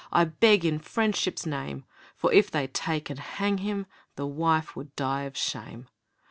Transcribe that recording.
I beg in friendship's name! For if they take and hang him, The wife would die of shame.